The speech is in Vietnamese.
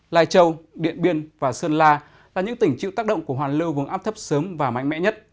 lai châu điện biên và sơn la là những tỉnh chịu tác động của hoàn lưu vùng áp thấp sớm và mạnh mẽ nhất